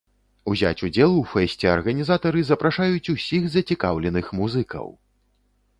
Узяць удзел у фэсце арганізатары запрашаюць усіх зацікаўленых музыкаў!